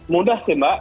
mudah sih mbak